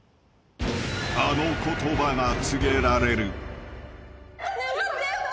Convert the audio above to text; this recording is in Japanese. ［あの言葉が告げられる］